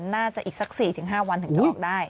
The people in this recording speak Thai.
น่าจะอีกสัก๔๕วันถึงจะออกได้